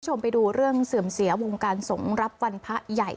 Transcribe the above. คุณผู้ชมไปดูเรื่องเสื่อมเสียวงการสงฆ์รับวันพระใหญ่